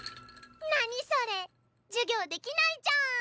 なにそれ授業できないじゃん！